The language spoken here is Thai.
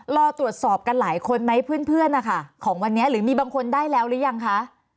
รอตรวจสอบกันหลายคนไหมเพื่อนนะคะของวันนี้หรือมีบางคนได้แล้วหรือยังคะ